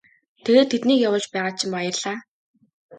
Тэгээд тэднийг явуулж байгаад чинь баярлалаа.